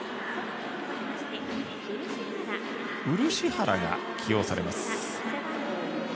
漆原が起用されます。